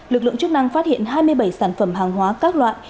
lực lượng chức năng phát hiện hai mươi bảy sản phẩm hàng hóa các loại